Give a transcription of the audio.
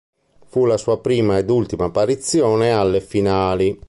Fu la sua prima ed ultima apparizione alle finali.